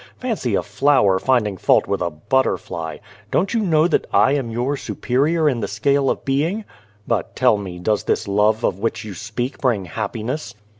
" Fancy a flower finding fault with a butterfly ! Don't you know that I am your superior in the scale of being! But, tell me, does this love of which you speak bring happiness